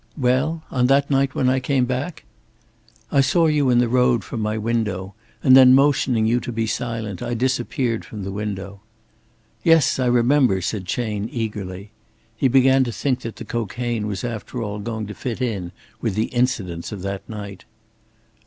"Well? On that night when I came back?" "I saw you in the road from my window, and then motioning you to be silent, I disappeared from the window." "Yes, I remember," said Chayne, eagerly. He began to think that the cocaine was after all going to fit in with the incidents of that night.